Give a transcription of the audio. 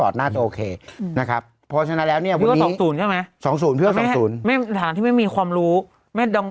สนามแล้วมั้ง